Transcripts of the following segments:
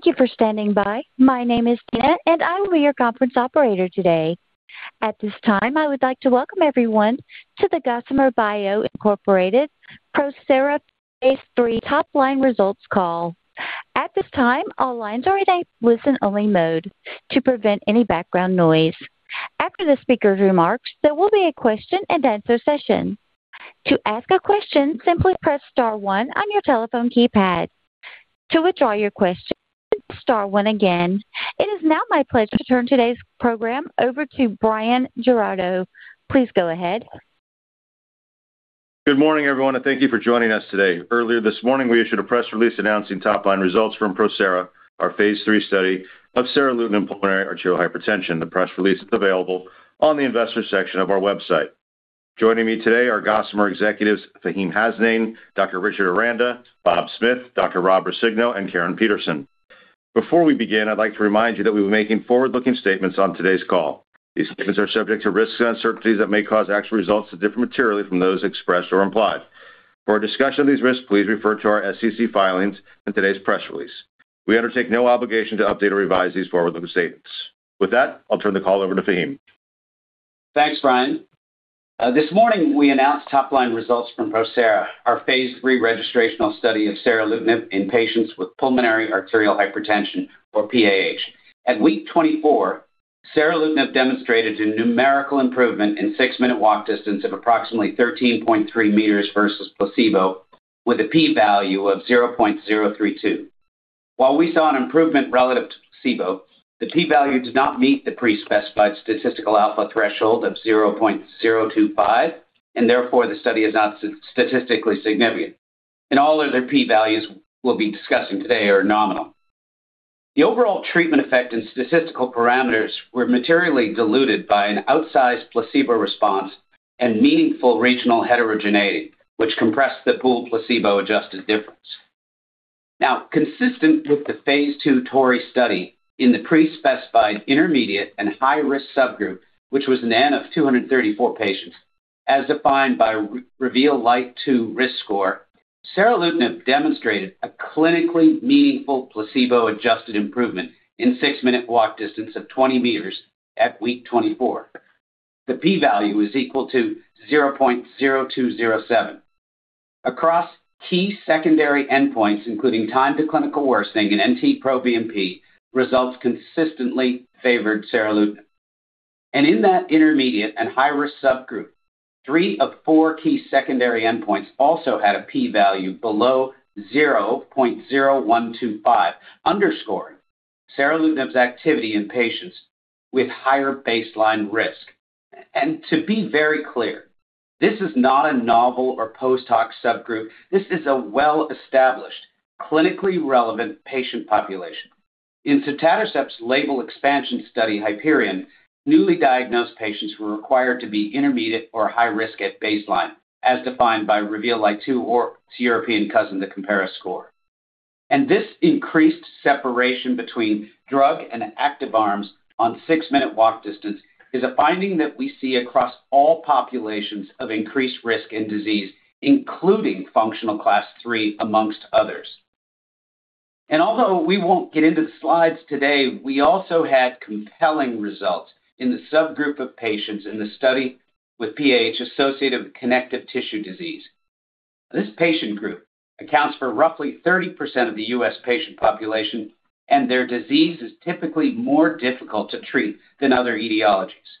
Thank you for standing by. My name is Tina, and I will be your conference operator today. At this time, I would like to welcome everyone to the Gossamer Bio, Inc. PROSERA phase III Top Line Results Call. At this time, all lines are in a listen-only mode to prevent any background noise. After the speaker's remarks, there will be a question-and-answer session. To ask a question, simply press star one on your telephone keypad. To withdraw your question, press star one again. It is now my pleasure to turn today's program over to Bryan Giraudo. Please go ahead. Good morning, everyone, and thank you for joining us today. Earlier this morning, we issued a press release announcing top-line results from PROSERA, our phase III study of seralutinib in pulmonary arterial hypertension. The press release is available on the investor section of our website. Joining me today are Gossamer executives, Faheem Hasnain, Dr. Richard Aranda, Bob Smith, Dr. Rob Roscigno, and Caryn Peterson. Before we begin, I'd like to remind you that we'll be making forward-looking statements on today's call. These statements are subject to risks and uncertainties that may cause actual results to differ materially from those expressed or implied. For a discussion of these risks, please refer to our SEC filings and today's press release. We undertake no obligation to update or revise these forward-looking statements. With that, I'll turn the call over to Faheem. Thanks, Bryan. This morning, we announced top-line results from PROSERA, our phase III registrational study of seralutinib in patients with pulmonary arterial hypertension or PAH. At week 24, seralutinib demonstrated a numerical improvement in six-minute walk distance of approximately 13.3 m versus placebo, with a p-value of 0.032. While we saw an improvement relative to placebo, the p-value does not meet the pre-specified statistical alpha threshold of 0.025, therefore the study is not statistically significant. All other p-values we'll be discussing today are nominal. The overall treatment effect and statistical parameters were materially diluted by an outsized placebo response and meaningful regional heterogeneity, which compressed the pooled placebo-adjusted difference. Consistent with the phase II TORREY study in the pre-specified intermediate and high-risk subgroup, which was an N of 234 patients, as defined by REVEAL Lite 2 risk score, seralutinib demonstrated a clinically meaningful placebo-adjusted improvement in six-minute walk distance of 20 meters at week 24. The p-value is equal to 0.0207. Across key secondary endpoints, including time to clinical worsening and NT-proBNP, results consistently favored seralutinib. In that intermediate and high-risk subgroup, three of four key secondary endpoints also had a p-value below 0.0125, underscoring seralutinib's activity in patients with higher baseline risk. To be very clear, this is not a novel or post-hoc subgroup. This is a well-established, clinically relevant patient population. In sotatercept's label expansion study, HYPERION, newly diagnosed patients were required to be intermediate or high risk at baseline, as defined by REVEAL Lite 2 or its European cousin, the COMPERA score. This increased separation between drug and active arms on six-minute walk distance is a finding that we see across all populations of increased risk in disease, including WHO Functional Class III, amongst others. Although we won't get into the slides today, we also had compelling results in the subgroup of patients in the study with PAH associated with connective tissue disease. This patient group accounts for roughly 30% of the U.S. patient population, and their disease is typically more difficult to treat than other etiologies.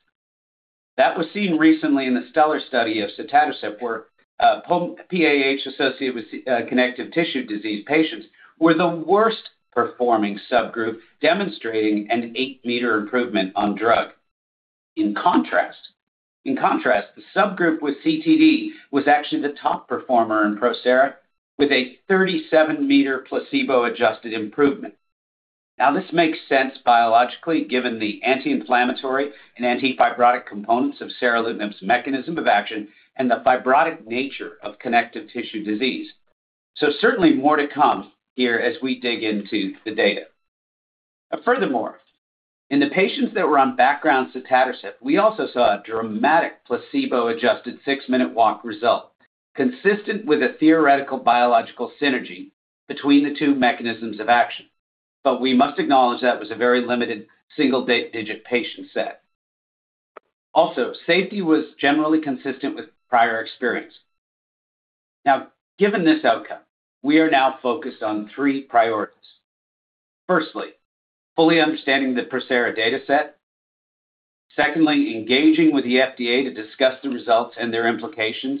That was seen recently in the STELLAR study of sotatercept, where PAH associated with connective tissue disease patients were the worst-performing subgroup, demonstrating an 8-meter improvement on drug. In contrast, the subgroup with CTD was actually the top performer in PROSERA, with a 37-meter placebo-adjusted improvement. This makes sense biologically, given the anti-inflammatory and anti-fibrotic components of seralutinib's mechanism of action and the fibrotic nature of connective tissue disease. Certainly more to come here as we dig into the data. Furthermore, in the patients that were on background sotatercept, we also saw a dramatic placebo-adjusted 6-Minute Walk result, consistent with a theoretical biological synergy between the two mechanisms of action. We must acknowledge that was a very limited single dig-digit patient set. Also, safety was generally consistent with prior experience. Given this outcome, we are now focused on three priorities. Firstly, fully understanding the PROSERA dataset. Secondly, engaging with the FDA to discuss the results and their implications,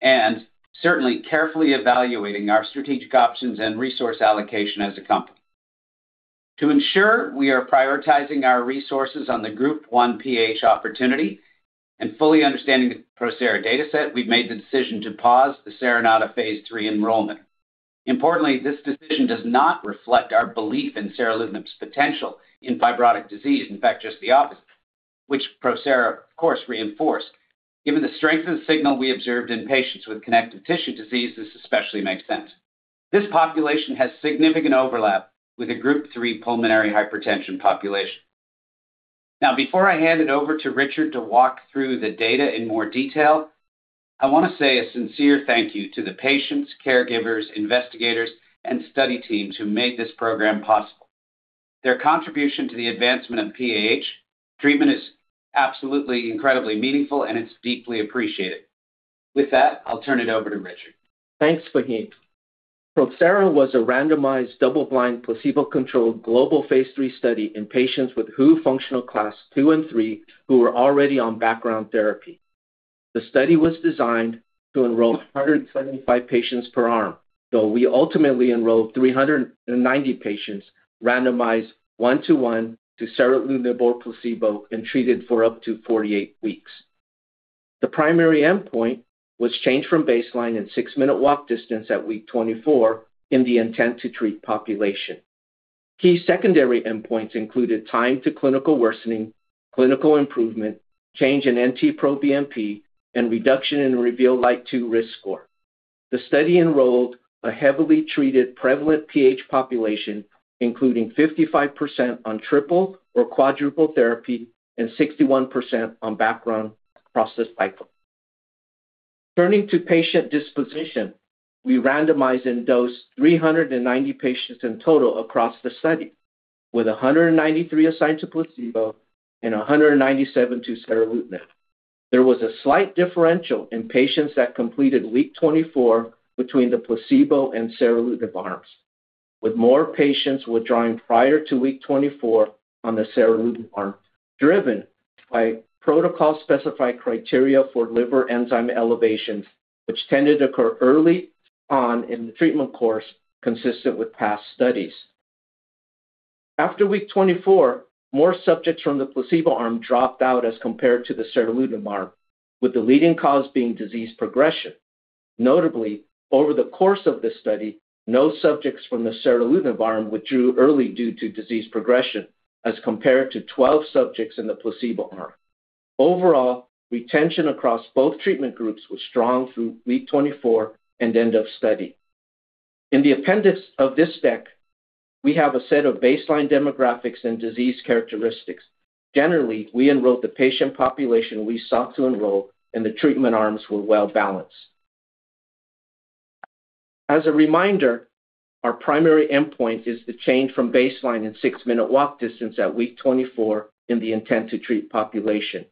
and certainly carefully evaluating our strategic options and resource allocation as a company. To ensure we are prioritizing our resources on the Group 1 PAH opportunity and fully understanding the PROSERA dataset, we've made the decision to pause the SERANATA phase III enrollment. Importantly, this decision does not reflect our belief in seralutinib's potential in fibrotic disease. In fact, just the opposite, which PROSERA, of course, reinforced. Given the strength of the signal we observed in patients with connective tissue disease, this especially makes sense. This population has significant overlap with the Group three pulmonary hypertension population. Now, before I hand it over to Richard to walk through the data in more detail, I want to say a sincere thank you to the patients, caregivers, investigators, and study teams who made this program possible. Their contribution to the advancement of PAH treatment is absolutely incredibly meaningful, and it's deeply appreciated. With that, I'll turn it over to Richard. Thanks, Faheem. PROSERA was a randomized, double-blind, placebo-controlled global phase III study in patients with WHO Functional Class II and III who were already on background therapy. The study was designed to enroll 175 patients per arm, though we ultimately enrolled 390 patients, randomized 1 to 1 to seralutinib or placebo, and treated for up to 48 weeks. The primary endpoint was changed from baseline in six-minute walk distance at week 24 in the intent-to-treat population. Key secondary endpoints included time to clinical worsening, clinical improvement, change in NT-proBNP, and reduction in REVEAL Lite 2 risk score. The study enrolled a heavily treated, prevalent PAH population, including 55% on triple or quadruple therapy and 61% on background prostacyclin. Turning to patient disposition, we randomized and dosed 390 patients in total across the study, with 193 assigned to placebo and 197 to seralutinib. There was a slight differential in patients that completed week 24 between the placebo and seralutinib arms, with more patients withdrawing prior to week 24 on the seralutinib arm, driven by protocol-specified criteria for liver enzyme elevations, which tended to occur early on in the treatment course, consistent with past studies. After week 24, more subjects from the placebo arm dropped out as compared to the seralutinib arm, with the leading cause being disease progression. Notably, over the course of this study, no subjects from the seralutinib arm withdrew early due to disease progression, as compared to 12 subjects in the placebo arm. Overall, retention across both treatment groups was strong through week 24 and end of study. In the appendix of this deck, we have a set of baseline demographics and disease characteristics. Generally, we enrolled the patient population we sought to enroll, and the treatment arms were well-balanced. As a reminder, our primary endpoint is the change from baseline in six-minute walk distance at week 24 in the intent-to-treat population.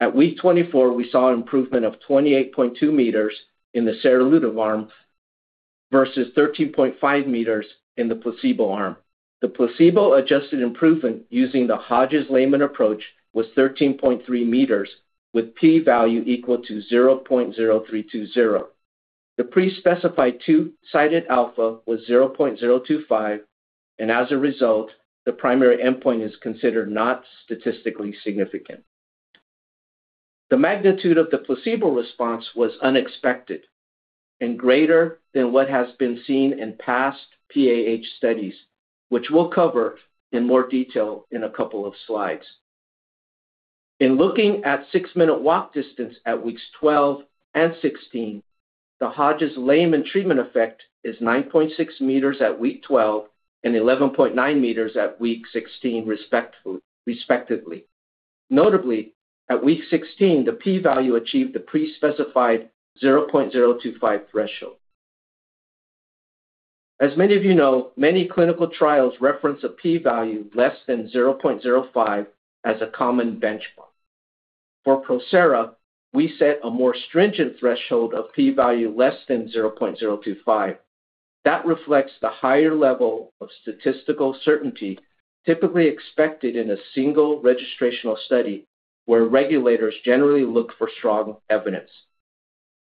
At week 24, we saw an improvement of 28.2 meters in the seralutinib arm versus 13.5 meters in the placebo arm. The placebo-adjusted improvement using the Hodges-Lehmann approach was 13.3 meters, with p-value equal to 0.0320. The pre-specified two-sided alpha was 0.025, as a result, the primary endpoint is considered not statistically significant. The magnitude of the placebo response was unexpected and greater than what has been seen in past PAH studies, which we'll cover in more detail in a couple of slides. In looking at six-minute walk distance at weeks 12 and 16, the Hodges-Lehmann treatment effect is 9.6 meters at week 12 and 11.9 meters at week 16, respectively. Notably, at week 16, the p-value achieved the pre-specified 0.025 threshold. As many of you know, many clinical trials reference a p-value less than 0.05 as a common benchmark. For PROSERA, we set a more stringent threshold of p-value less than 0.025. That reflects the higher level of statistical certainty typically expected in a single registrational study, where regulators generally look for strong evidence.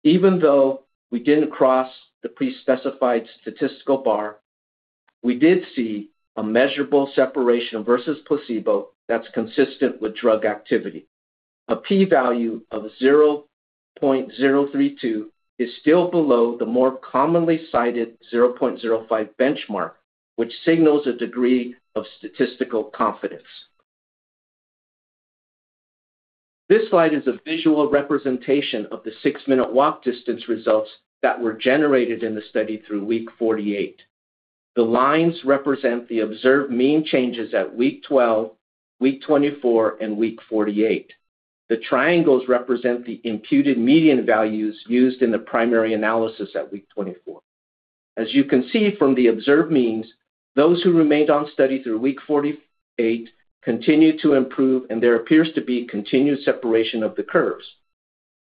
Even though we didn't cross the pre-specified statistical bar, we did see a measurable separation versus placebo that's consistent with drug activity. A p-value of 0.032 is still below the more commonly cited 0.05 benchmark, which signals a degree of statistical confidence. This slide is a visual representation of the six-minute walk distance results that were generated in the study through week 48. The lines represent the observed mean changes at week 12, week 24, and week 48. The triangles represent the imputed median values used in the primary analysis at week 24. As you can see from the observed means, those who remained on study through week 48 continued to improve, and there appears to be continued separation of the curves.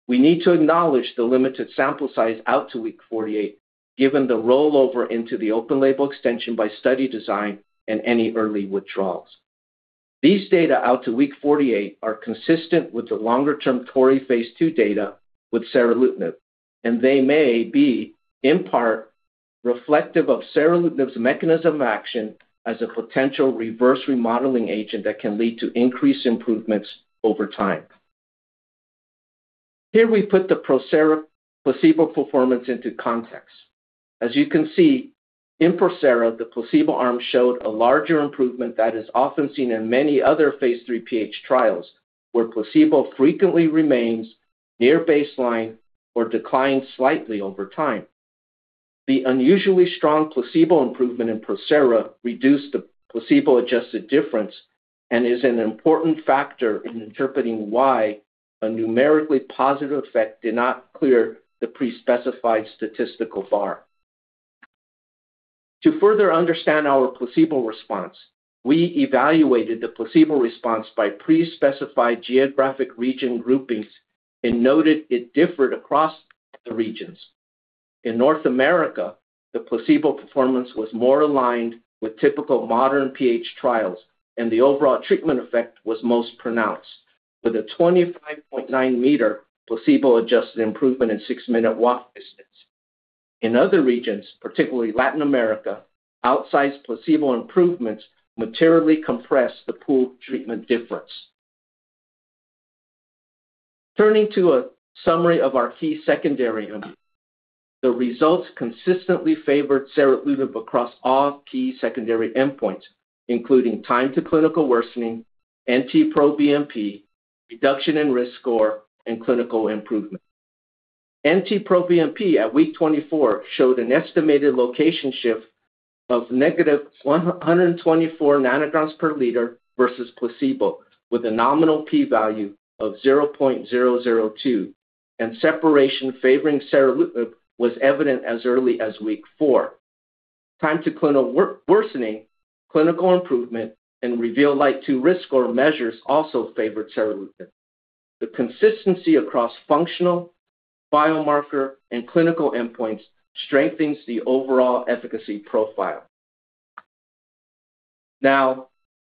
We need to acknowledge the limited sample size out to week 48, given the rollover into the open label extension by study design and any early withdrawals. These data out to week 48 are consistent with the longer-term TORREY phase II data with seralutinib, and they may be, in part, reflective of seralutinib's mechanism of action as a potential reverse remodeling agent that can lead to increased improvements over time. Here we put the PROSERA placebo performance into context. As you can see, in PROSERA, the placebo arm showed a larger improvement that is often seen in many other phase III PH trials, where placebo frequently remains near baseline or declines slightly over time. The unusually strong placebo improvement in PROSERA reduced the placebo-adjusted difference and is an important factor in interpreting why a numerically positive effect did not clear the pre-specified statistical bar. To further understand our placebo response, we evaluated the placebo response by pre-specified geographic region groupings and noted it differed across the regions. In North America, the placebo performance was more aligned with typical modern PH trials, and the overall treatment effect was most pronounced, with a 25.9-meter placebo-adjusted improvement in six-minute walk distance. In other regions, particularly Latin America, outsized placebo improvements materially compressed the pooled treatment difference. Turning to a summary of our key secondary end, the results consistently favored seralutinib across all key secondary endpoints, including time to clinical worsening, NT-proBNP, reduction in risk score, and clinical improvement. NT-proBNP at week 24 showed an estimated location shift of negative 124 nanograms per liter versus placebo, with a nominal p-value of 0.002, and separation favoring seralutinib was evident as early as week 4. Time to clinical worsening, clinical improvement, and REVEAL Lite 2 risk score measures also favored seralutinib. The consistency across functional, biomarker, and clinical endpoints strengthens the overall efficacy profile.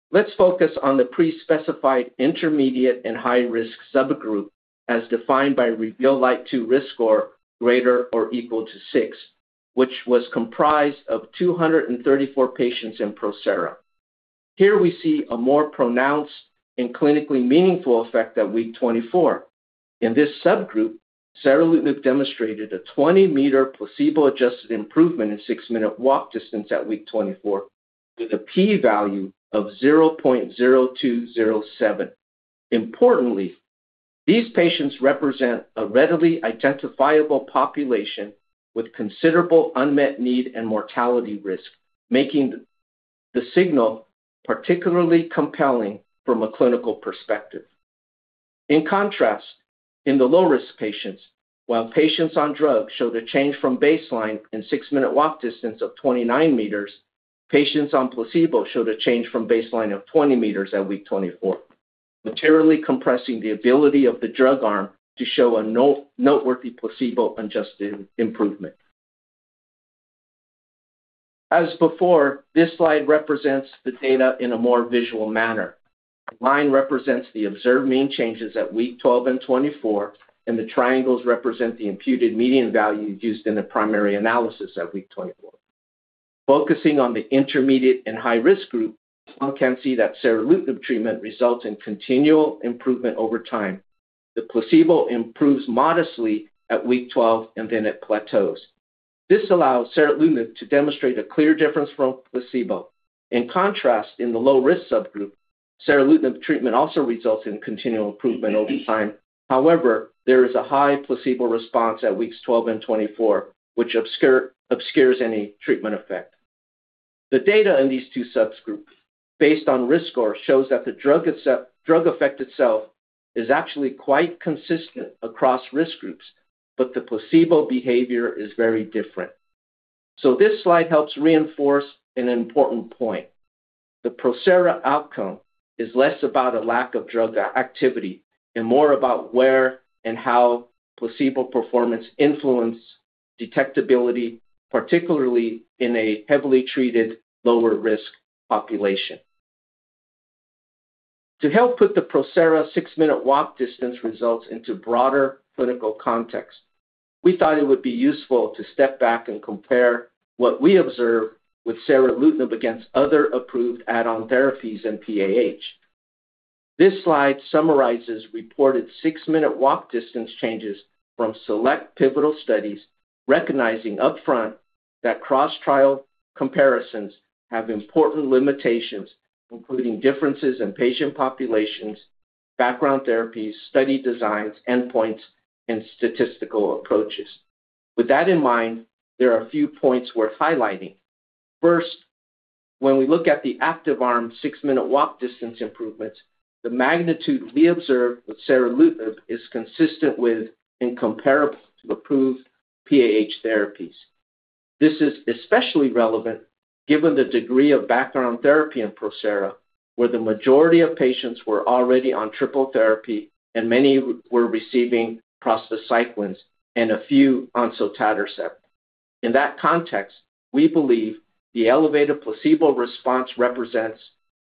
Let's focus on the pre-specified intermediate and high-risk subgroup as defined by REVEAL Lite 2 risk score greater or equal to six, which was comprised of 234 patients in PROSERA. Here we see a more pronounced and clinically meaningful effect at week 24. In this subgroup, seralutinib demonstrated a 20-meter placebo-adjusted improvement in six-minute walk distance at week 24, with a p-value of 0.0207. Importantly, these patients represent a readily identifiable population with considerable unmet need and mortality risk, making the signal particularly compelling from a clinical perspective. In contrast, in the low-risk patients, while patients on drug showed a change from baseline in six-minute walk distance of 29 meters, patients on placebo showed a change from baseline of 20 meters at week 24, materially compressing the ability of the drug arm to show a no-noteworthy placebo-adjusted improvement. As before, this slide represents the data in a more visual manner. Line represents the observed mean changes at week 12 and 24, and the triangles represent the imputed median value used in the primary analysis at week 24. Focusing on the intermediate and high-risk group, one can see that seralutinib treatment results in continual improvement over time. The placebo improves modestly at week 12 and then it plateaus. This allows seralutinib to demonstrate a clear difference from placebo. In contrast, in the low-risk subgroup, seralutinib treatment also results in continual improvement over time. However, there is a high placebo response at weeks 12 and 24, which obscures any treatment effect. The data in these two subgroups, based on risk score, shows that the drug effect itself is actually quite consistent across risk groups, but the placebo behavior is very different. This slide helps reinforce an important point. The PROSERA outcome is less about a lack of drug activity and more about where and how placebo performance influence detectability, particularly in a heavily treated, lower-risk population. To help put the PROSERA 6-minute walk distance results into broader clinical context, we thought it would be useful to step back and compare what we observe with seralutinib against other approved add-on therapies in PAH. This slide summarizes reported six-minute walk distance changes from select pivotal studies, recognizing upfront that cross-trial comparisons have important limitations, including differences in patient populations, background therapies, study designs, endpoints, and statistical approaches. With that in mind, there are a few points worth highlighting. First, when we look at the active arm six-minute walk distance improvements, the magnitude we observed with seralutinib is consistent with and comparable to approved PAH therapies. This is especially relevant given the degree of background therapy in PROSERA, where the majority of patients were already on triple therapy and many were receiving prostacyclins and a few on sotatercept. In that context, we believe the elevated placebo response represents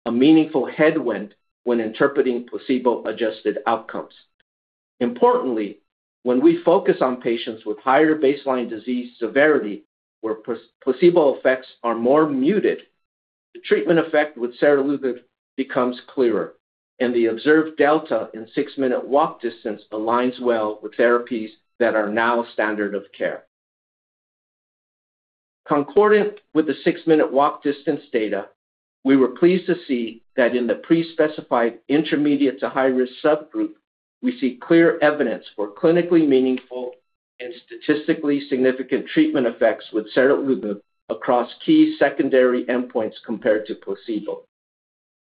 a meaningful headwind when interpreting placebo-adjusted outcomes. Importantly, when we focus on patients with higher baseline disease severity, where placebo effects are more muted, the treatment effect with seralutinib becomes clearer, and the observed delta in six-minute walk distance aligns well with therapies that are now standard of care. Concordant with the six-minute walk distance data, we were pleased to see that in the pre-specified intermediate to high-risk subgroup, we see clear evidence for clinically meaningful and statistically significant treatment effects with seralutinib across key secondary endpoints compared to placebo.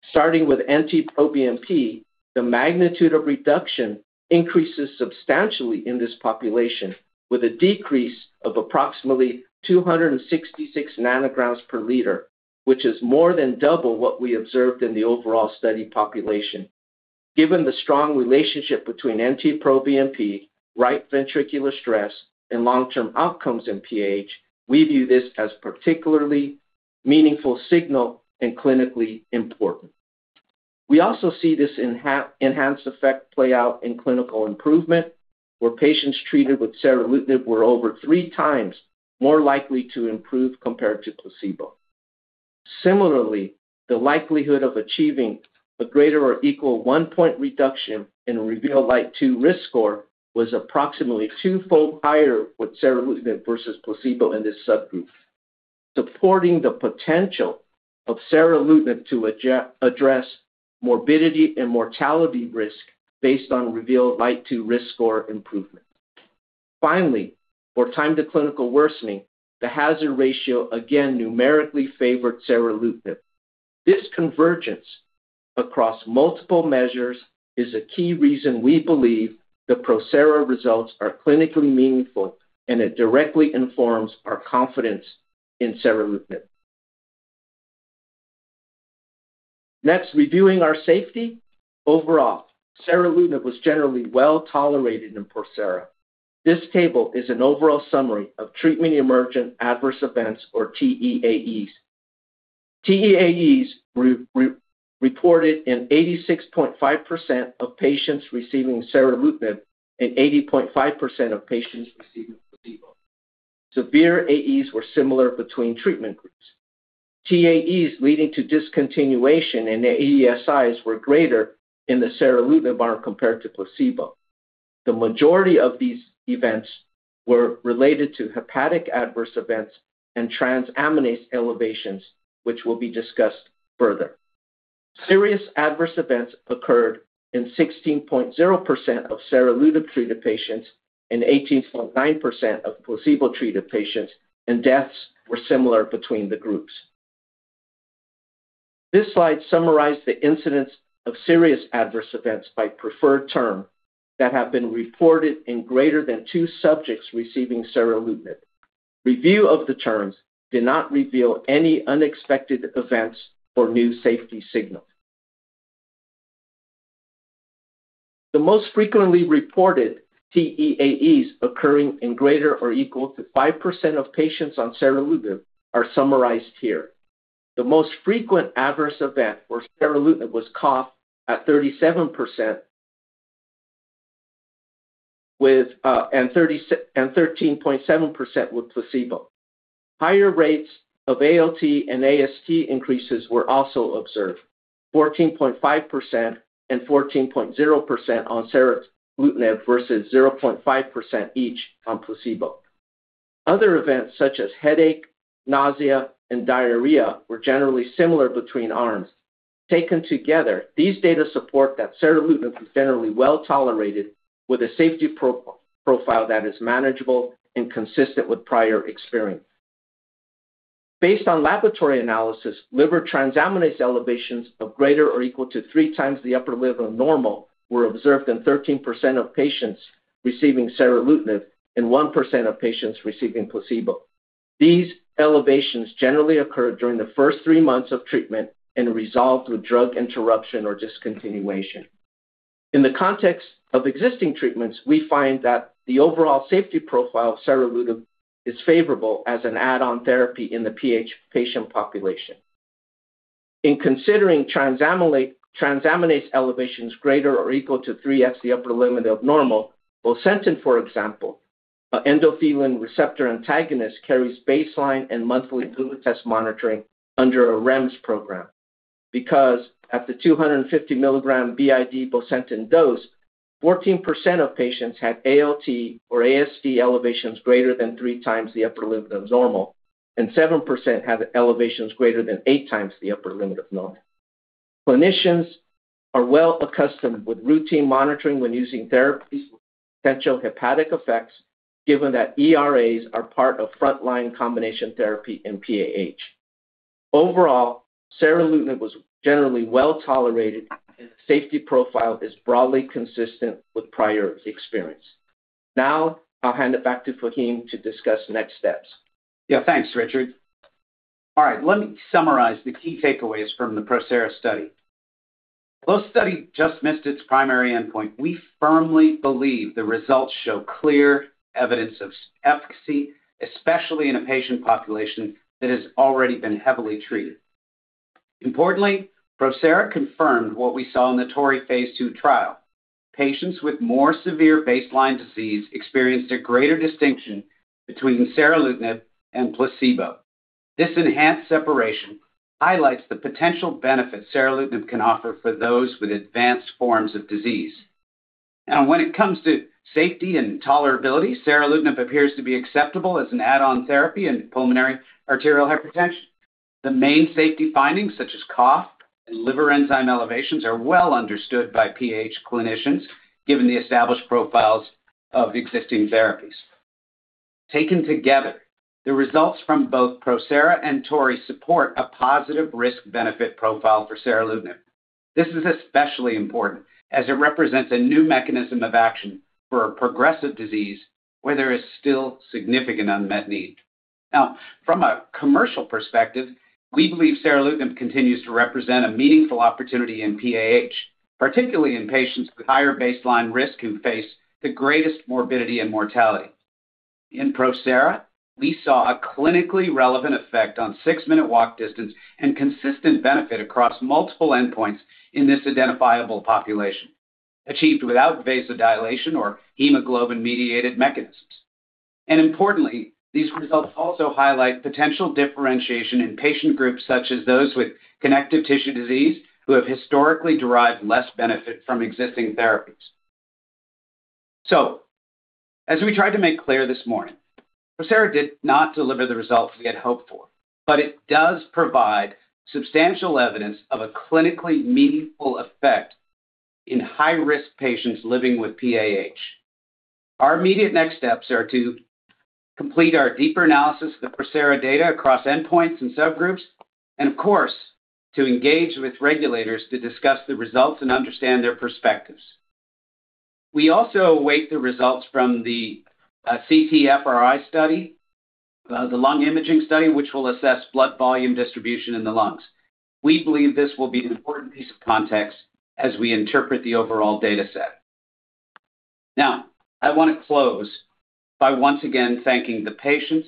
Starting with NT-proBNP, the magnitude of reduction increases substantially in this population, with a decrease of approximately 266 nanograms per liter, which is more than double what we observed in the overall study population. Given the strong relationship between NT-proBNP, right ventricular stress, and long-term outcomes in PAH, we view this as a particularly meaningful signal and clinically important. We also see this enhanced effect play out in clinical improvement, where patients treated with seralutinib were over three times more likely to improve compared to placebo. Similarly, the likelihood of achieving a greater or equal 1-point reduction in REVEAL Lite 2 risk score was approximately 2-fold higher with seralutinib versus placebo in this subgroup, supporting the potential of seralutinib to address morbidity and mortality risk based on REVEAL Lite 2 risk score improvement. Finally, for time to clinical worsening, the hazard ratio again numerically favored seralutinib. This convergence across multiple measures is a key reason we believe the PROSERA results are clinically meaningful, and it directly informs our confidence in seralutinib. Next, reviewing our safety. Overall, seralutinib was generally well-tolerated in PROSERA. This table is an overall summary of treatment-emergent adverse events, or TEAEs. TEAEs were reported in 86.5% of patients receiving seralutinib and 80.5% of patients receiving placebo. Severe AEs were similar between treatment groups. TEAEs leading to discontinuation in the AESIs were greater in the seralutinib arm compared to placebo. The majority of these events were related to hepatic adverse events and transaminase elevations, which will be discussed further. Serious adverse events occurred in 16.0% of seralutinib-treated patients and 18.9% of placebo-treated patients, and deaths were similar between the groups. This slide summarizes the incidence of serious adverse events by preferred term that have been reported in greater than two subjects receiving seralutinib. Review of the terms did not reveal any unexpected events or new safety signals. The most frequently reported TEAEs occurring in greater or equal to five percent of patients on seralutinib are summarized here. The most frequent adverse event for seralutinib was cough at 37%, with and 13.7% with placebo. Higher rates of ALT and AST increases were also observed, 14.5% and 14.0% on seralutinib versus 0.5% each on placebo. Other events such as headache, nausea, and diarrhea were generally similar between arms. Taken together, these data support that seralutinib is generally well-tolerated, with a safety profile that is manageable and consistent with prior experience. Based on laboratory analysis, liver transaminase elevations of greater or equal to three times the upper limit of normal were observed in 13% of patients receiving seralutinib and 1% of patients receiving placebo. These elevations generally occurred during the first 3 months of treatment and resolved through drug interruption or discontinuation. In the context of existing treatments, we find that the overall safety profile of seralutinib is favorable as an add-on therapy in the PH patient population. In considering transaminase elevations greater or equal to three times the upper limit of normal, bosentan, for example, an endothelin receptor antagonist, carries baseline and monthly blood test monitoring under a REMS program. At the 250 mg BID bosentan dose, 14% of patients had ALT or AST elevations greater than three times the upper limit of normal, and 7% had elevations greater than eight times the upper limit of normal. Clinicians are well accustomed with routine monitoring when using therapies with potential hepatic effects, given that ERAs are part of frontline combination therapy in PAH. Overall, seralutinib was generally well-tolerated, and the safety profile is broadly consistent with prior experience. Now I'll hand it back to Faheem to discuss the next steps. Yeah. Thanks, Richard. All right, let me summarize the key takeaways from the PROSERA study. Though the study just missed its primary endpoint, we firmly believe the results show clear evidence of efficacy, especially in a patient population that has already been heavily treated. Importantly, PROSERA confirmed what we saw in the TORREY phase II trial. Patients with more severe baseline disease experienced a greater distinction between seralutinib and placebo. This enhanced separation highlights the potential benefits seralutinib can offer for those with advanced forms of disease. When it comes to safety and tolerability, seralutinib appears to be acceptable as an add-on therapy in pulmonary arterial hypertension. The main safety findings, such as cough and liver enzyme elevations, are well understood by PH clinicians, given the established profiles of existing therapies. Taken together, the results from both PROSERA and TORREY support a positive risk-benefit profile for seralutinib. This is especially important as it represents a new mechanism of action for a progressive disease where there is still significant unmet need. From a commercial perspective, we believe seralutinib continues to represent a meaningful opportunity in PAH, particularly in patients with higher baseline risk who face the greatest morbidity and mortality. In PROSERA, we saw a clinically relevant effect on six-minute walk distance and consistent benefit across multiple endpoints in this identifiable population, achieved without vasodilation or hemoglobin-mediated mechanisms. Importantly, these results also highlight potential differentiation in patient groups, such as those with connective tissue disease, who have historically derived less benefit from existing therapies. As we tried to make clear this morning, PROSERA did not deliver the results we had hoped for, but it does provide substantial evidence of a clinically meaningful effect in high-risk patients living with PAH. Our immediate next steps are to complete our deeper analysis of the PROSERA data across endpoints and subgroups and, of course, to engage with regulators to discuss the results and understand their perspectives. We also await the results from the FRI study, the lung imaging study, which will assess blood volume distribution in the lungs. We believe this will be an important piece of context as we interpret the overall data set. Now, I want to close by once again thanking the patients,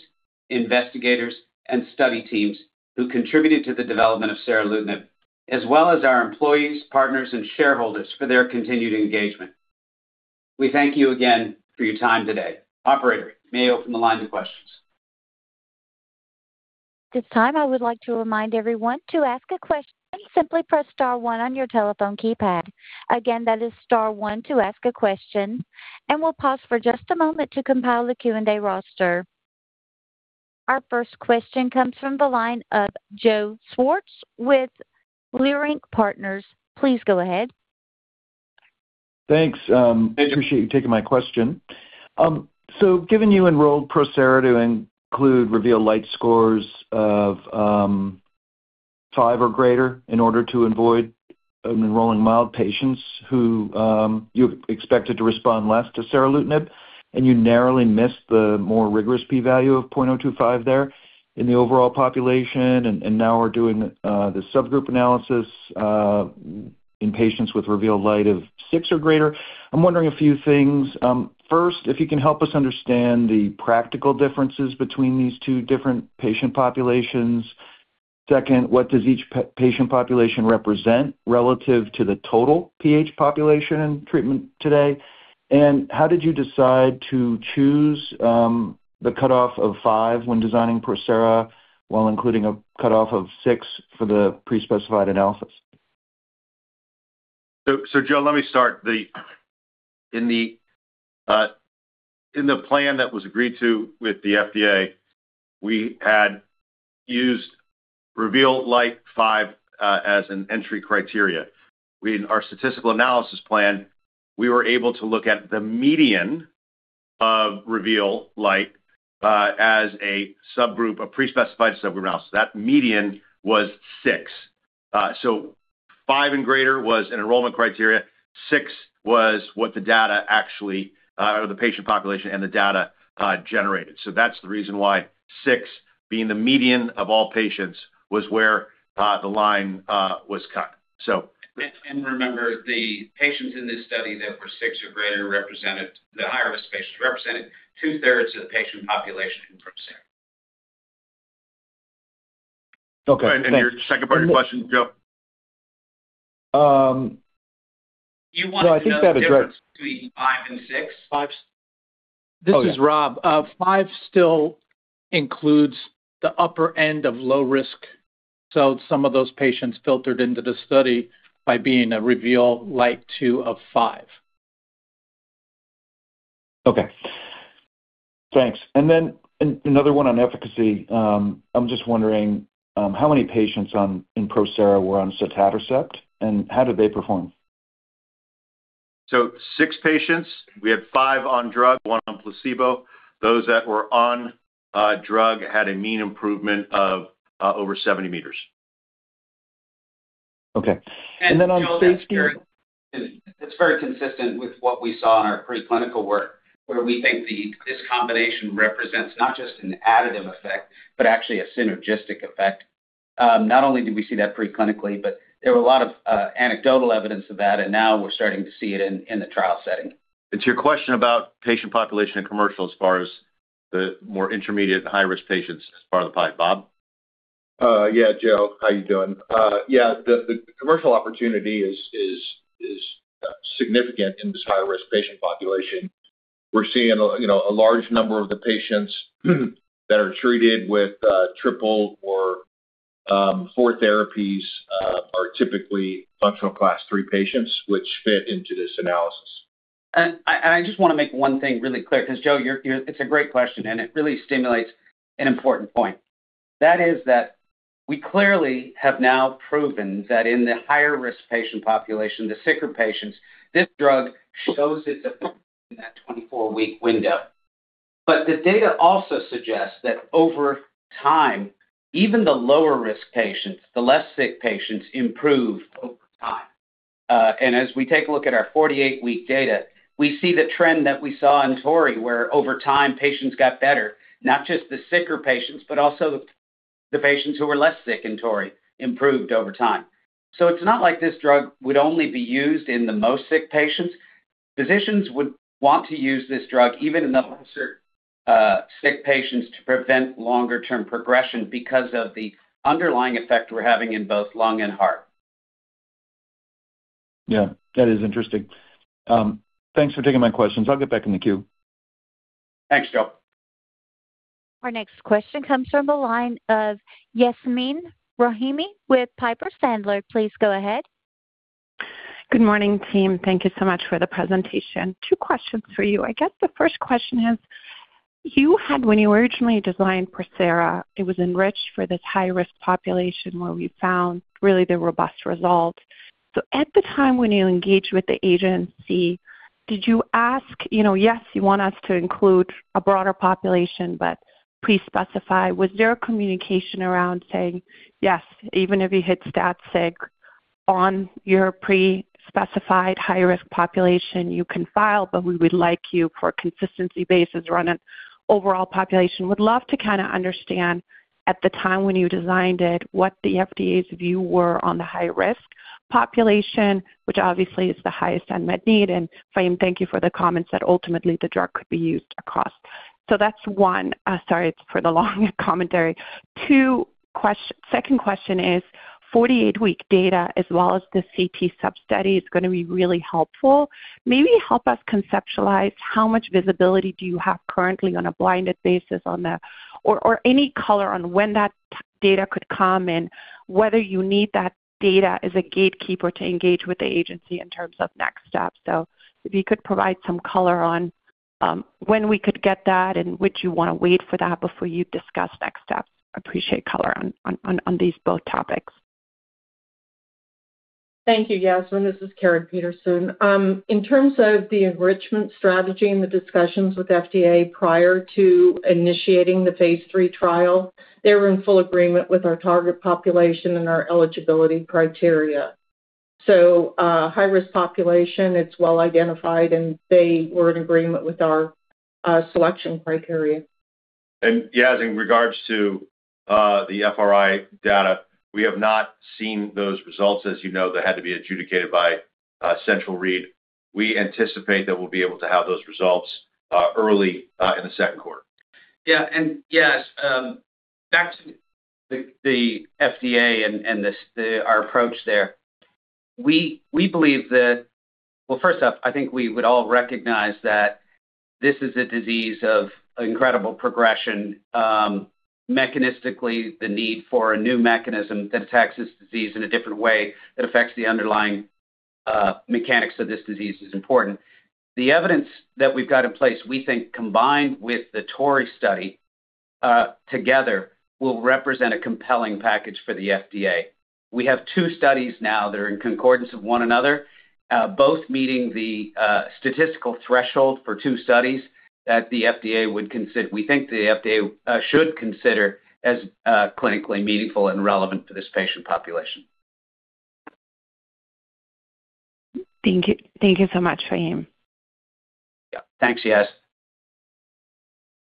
investigators, and study teams who contributed to the development of seralutinib, as well as our employees, partners, and shareholders for their continued engagement. We thank you again for your time today. Operator, may you open the line to questions? At this time, I would like to remind everyone, to ask a question, simply press star one on your telephone keypad. Again, that is star one to ask a question, and we'll pause for just a moment to compile the Q&A roster. Our first question comes from the line of Joseph Schwartz with Leerink Partners. Please go ahead. Thanks. I appreciate you taking my question. Given you enrolled PROSERA to include REVEAL Lite scores of 5 or greater in order to avoid enrolling mild patients who you expected to respond less to seralutinib, and you narrowly missed the more rigorous P value of 0.025 there in the overall population, and now we're doing the subgroup analysis in patients with REVEAL Lite of 6 or greater. I'm wondering a few things. First, if you can help us understand the practical differences between these two different patient populations. Second, what does each patient population represent relative to the total PH population in treatment today? How did you decide to choose the cutoff of five when designing PROSERA, while including a cutoff of six for the prespecified analysis? Joe, let me start. In the plan that was agreed to with the FDA, we had used REVEAL Lite 5 as an entry criteria. In our statistical analysis plan, we were able to look at the median of REVEAL Lite as a subgroup, a prespecified subgroup analysis. That median was 6. 5 and greater was an enrollment criteria. Six was what the data actually, or the patient population and the data generated. That's the reason why six, being the median of all patients, was where the line was cut. Remember, the patients in this study that were six or greater represented the higher-risk patients, represented two-thirds of the patient population in PROSERA. Okay, thanks. Your second part of the question, Joe? No, I think that is right. Do you want the difference between 5 and 6? Five. Oh, yeah. This is Rob. Five still includes the upper end of low risk. Some of those patients filtered into the study by being a REVEAL Lite 2 of five. Okay, thanks. Then another one on efficacy. I'm just wondering how many patients on, in PROSERA were on sotatercept, and how did they perform? six patients, we had five on drug, 1 on placebo. Those that were on drug had a mean improvement of over 70 meters. Okay. Then on safety. It's very consistent with what we saw in our preclinical work, where we think the, this combination represents not just an additive effect, but actually a synergistic effect. Not only did we see that preclinically, but there were a lot of anecdotal evidence of that, and now we're starting to see it in, in the trial setting. It's your question about patient population and commercial as far as the more intermediate and high-risk patients as part of the pipe. Bob? Yeah, Joe, how you doing? Yeah, the commercial opportunity is significant in this high-risk patient population. We're seeing a, you know, a large number of the patients that are treated with triple or four therapies, are typically functional Class three patients, which fit into this analysis. I just want to make one thing really clear, because, Joe, it's a great question, and it really stimulates an important point. That is that we clearly have now proven that in the higher-risk patient population, the sicker patients, this drug shows its effect in that 24-week window. The data also suggests that over time, even the lower-risk patients, the less sick patients, improve over time. As we take a look at our 48-week data, we see the trend that we saw in TORREY, where over time, patients got better, not just the sicker patients, but also the patients who were less sick in TORREY improved over time. It's not like this drug would only be used in the most sick patients. Physicians would want to use this drug even in the lesser, sick patients to prevent longer-term progression because of the underlying effect we're having in both lung and heart. Yeah, that is interesting. Thanks for taking my questions. I'll get back in the queue. Thanks, Joe. Our next question comes from the line of Yasmeen Rahimi with Piper Sandler. Please go ahead. Good morning, team. Thank you so much for the presentation. Two questions for you. I guess the first question is, you had when you originally designed PROSERA, it was enriched for this high-risk population, where we found really the robust result. At the time when you engaged with the FDA, did you ask, you know, "Yes, you want us to include a broader population, but please specify," was there a communication around saying, "Yes, even if you hit stat sig on your pre-specified high-risk population, you can file, but we would like you, for consistency basis, run an overall population"? Would love to kind of understand at the time when you designed it, what the FDA's view were on the high-risk population, which obviously is the highest unmet need. Faheem, thank you for the comments that ultimately the drug could be used across. That's one. Sorry for the long commentary. Second question is 48-week data as well as the CT sub-study is going to be really helpful. Maybe help us conceptualize how much visibility do you have currently on a blinded basis on that, or, or any color on when that data could come and whether you need that data as a gatekeeper to engage with the agency in terms of next steps? If you could provide some color on when we could get that and would you want to wait for that before you discuss next steps? Appreciate color on, on, on these both topics. Thank you, Yasmeen. This is Caryn Peterson. In terms of the enrichment strategy and the discussions with FDA prior to initiating the phase three trial, they were in full agreement with our target population and our eligibility criteria. high-risk population, it's well identified, and they were in agreement with our selection criteria. Yas, in regards to the FRI data, we have not seen those results. As you know, they had to be adjudicated by central read. We anticipate that we'll be able to have those results early in the second quarter. Yeah, Yas, back to the FDA and, and this, our approach there. We, we believe that first up, I think we would all recognize that this is a disease of incredible progression. Mechanistically, the need for a new mechanism that attacks this disease in a different way, that affects the underlying mechanics of this disease is important. The evidence that we've got in place, we think, combined with the TORREY study, together, will represent a compelling package for the FDA. We have two studies now that are in concordance of one another, both meeting the statistical threshold for two studies that the FDA would consider. We think the FDA should consider as clinically meaningful and relevant to this patient population. Thank you. Thank you so much, Faheem. Yeah. Thanks, Yas.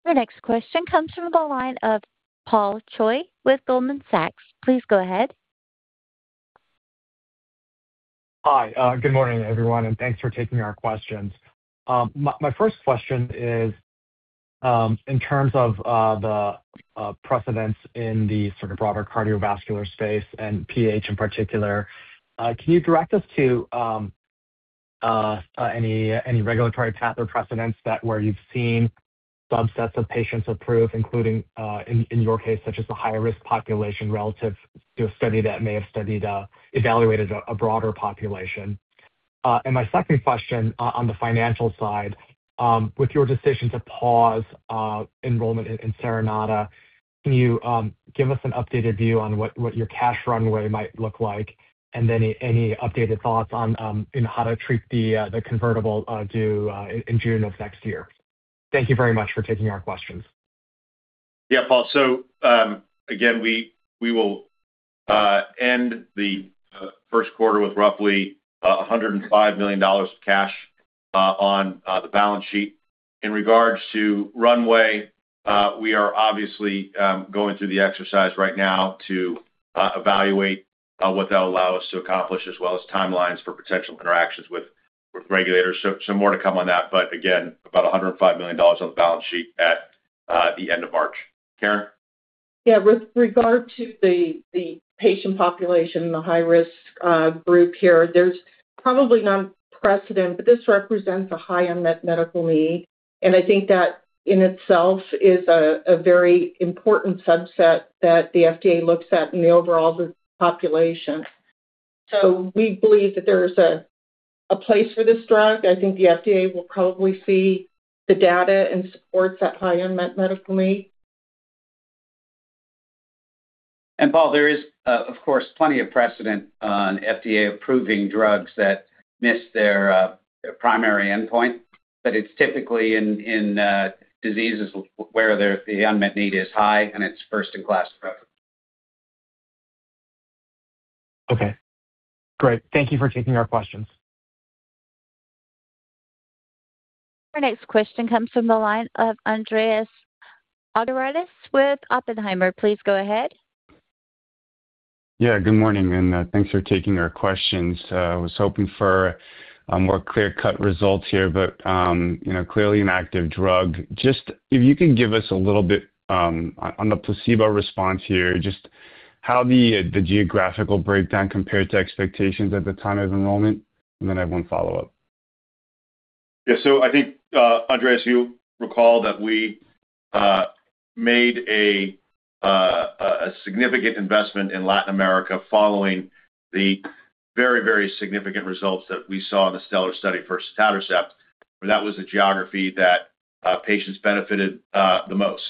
Our next question comes from the line of Paul Choi with Goldman Sachs. Please go ahead. Hi. Good morning, everyone, thanks for taking our questions. My, my first question is, in terms of the precedence in the sort of broader cardiovascular space and PH in particular, can you direct us to any, any regulatory path or precedence that where you've seen subsets of patients approved, including in, in your case, such as the higher-risk population relative to a study that may have studied, evaluated a, a broader population? My second question, on the financial side, with your decision to pause enrollment in SERANATA, can you give us an updated view on what, what your cash runway might look like? Any, any updated thoughts on in how to treat the convertible due in June of next year? Thank you very much for taking our questions. Yeah, Paul. Again, we, we will end the first quarter with roughly $105 million of cash on the balance sheet. In regards to runway, we are obviously going through the exercise right now to evaluate what that will allow us to accomplish, as well as timelines for potential interactions with, with regulators. So more to come on that, but again, about $105 million on the balance sheet at the end of March. Caryn? Yeah, with regard to the, the patient population, the high-risk group here, there's probably not precedent, but this represents a high unmet medical need, and I think that in itself is a, a very important subset that the FDA looks at in the overall population. We believe that there is a, a place for this drug. I think the FDA will probably see the data and supports that high-end met, medically. Paul, there is, of course, plenty of precedent on FDA approving drugs that miss their primary endpoint, but it's typically in diseases where the unmet need is high and it's first-in-class drug. Okay, great. Thank you for taking our questions. Our next question comes from the line of Andrés Argyrides with Oppenheimer. Please go ahead. Yeah, good morning, and thanks for taking our questions. I was hoping for a more clear-cut results here, but, you know, clearly an active drug. Just if you can give us a little bit on the placebo response here, just how the geographical breakdown compared to expectations at the time of enrollment, and then I have one follow-up. Yeah. I think, Andrés, you recall that we made a significant investment in Latin America following the very, very significant results that we saw in the STELLAR study for sotatercept, where that was a geography that patients benefited the most.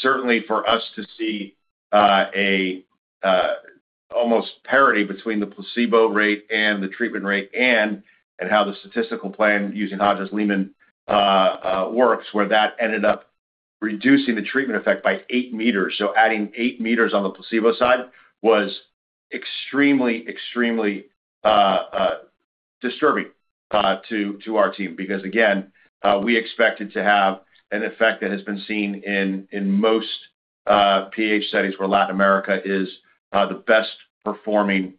Certainly for us to see a almost parity between the placebo rate and the treatment rate and, and how the statistical plan using Hodges-Lehmann works, where that ended up reducing the treatment effect by 8 meters. Adding 8 meters on the placebo side was extremely, extremely disturbing to our team. Because, again, we expected to have an effect that has been seen in, in most PH studies where Latin America is the best performing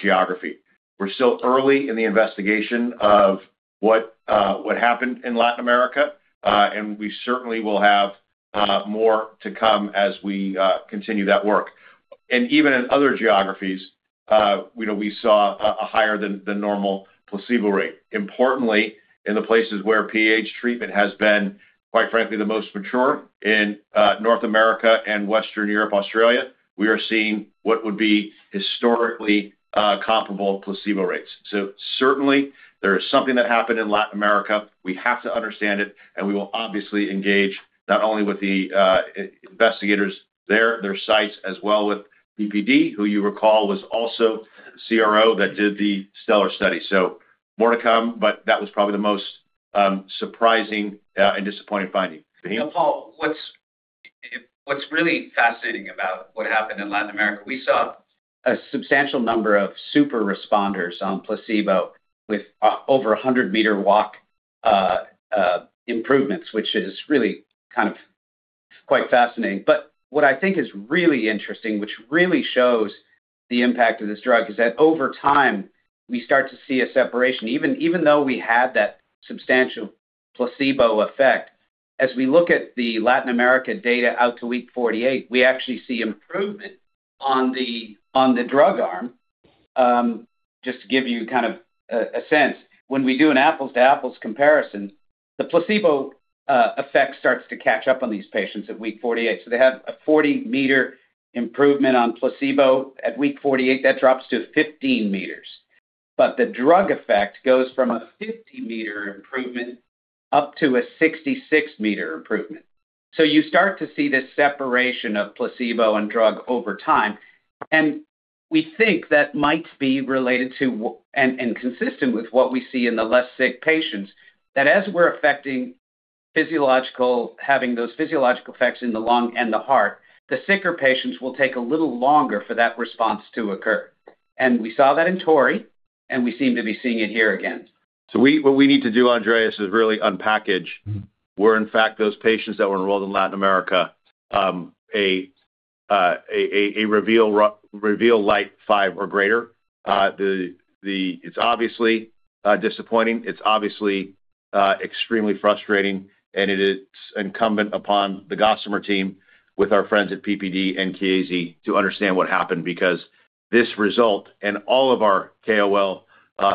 geography. We're still early in the investigation of what, what happened in Latin America, and we certainly will have more to come as we continue that work. Even in other geographies, we know we saw a higher than normal placebo rate. Importantly, in the places where PH treatment has been, quite frankly, the most mature in North America and Western Europe, Australia, we are seeing what would be historically comparable placebo rates. Certainly there is something that happened in Latin America. We have to understand it, and we will obviously engage not only with the investigators there, their sites, as well with PPD, who you recall was also CRO that did the STELLAR study. More to come, but that was probably the most surprising and disappointing finding. Paul, what's, what's really fascinating about what happened in Latin America, we saw a substantial number of super responders on placebo with over a 100-meter walk improvements, which is really kind of quite fascinating. What I think is really interesting, which really shows the impact of this drug, is that over time, we start to see a separation. Even, even though we had that substantial placebo effect, as we look at the Latin America data out to week 48, we actually see improvement on the, on the drug arm. Just to give you kind of a, a sense, when we do an apples-to-apples comparison, the placebo effect starts to catch up on these patients at week 48. They have a 40-meter improvement on placebo. At week 48, that drops to 15 meters. The drug effect goes from a 50-meter improvement up to a 66-meter improvement. You start to see this separation of placebo and drug over time, and we think that might be related to and consistent with what we see in the less sick patients, that as we're affecting physiological... having those physiological effects in the lung and the heart, the sicker patients will take a little longer for that response to occur. We saw that in TORREY, and we seem to be seeing it here again. We, what we need to do, Andrés, is really unpackage, where in fact, those patients that were enrolled in Latin America, a REVEAL Lite 5 or greater. It's obviously disappointing, it's obviously extremely frustrating, and it is incumbent upon the Gossamer team with our friends at PPD and Chiesi to understand what happened, because this result and all of our KOL